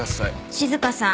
静さん